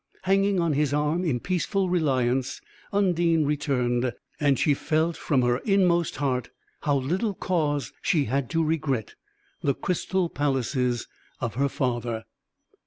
Hanging on his arm in peaceful reliance, Undine returned; and she felt from her inmost heart, how little cause she had to regret the crystal palaces of her father.